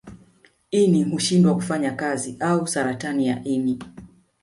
Ini hushindwa kufanya kazi au saratani ya ini